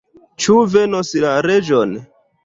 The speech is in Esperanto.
Ĉu venos la reĝo?